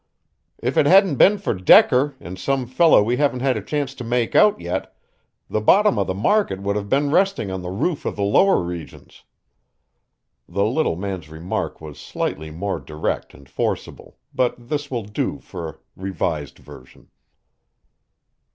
"If it hadn't been for Decker and some fellow we haven't had a chance to make out yet the bottom of the market would have been resting on the roof of the lower regions." The little man's remark was slightly more direct and forcible, but this will do for a revised version.